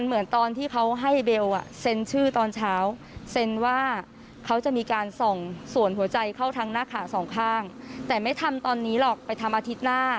หน้าขาสองข้างแต่ไม่ทำตอนนี้หรอกไปทำอาทิตย์หน้า